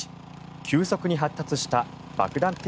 急速に発達した爆弾